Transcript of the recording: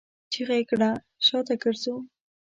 چيغه يې کړه! شاته ګرځو!